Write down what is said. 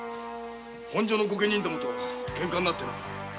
本所の御家人とケンカになってな。